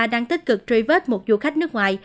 đang tích cực truy vết một du khách nước ngoài